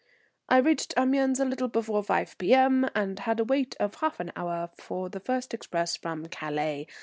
I reached Amiens a little before 5 P.M., and I had a wait of half an hour for the first express from Calais.